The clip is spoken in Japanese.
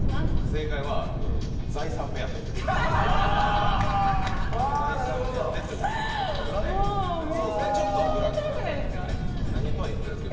正解は、財産目当てです。